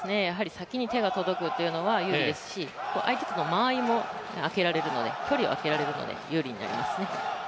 先に手が届くというのは有利ですし相手との間合いもあけられるので、距離をあけられるので有利になりますね。